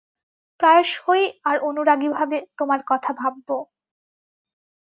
প্রায়শই আর অনুরাগীভাবে তোমার কথা ভাববো।